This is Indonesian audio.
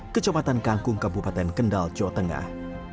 kecamatan kangkung kabupaten kendal jawa tengah